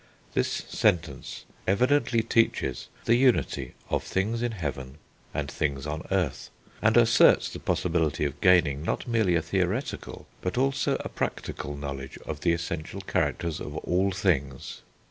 This sentence evidently teaches the unity of things in heaven and things on earth, and asserts the possibility of gaining, not merely a theoretical, but also a practical, knowledge of the essential characters of all things.